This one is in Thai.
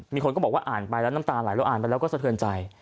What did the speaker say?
มีคนก็บอกว่าอ่านไปแล้วน้ำตาไหลเราอ่านไปแล้วก็สะเทือนใจ